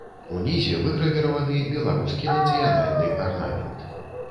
Унізе выгравіраваны беларускі нацыянальны арнамент.